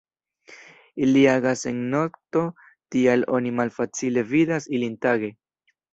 Ili agas en nokto, tial oni malfacile vidas ilin tage.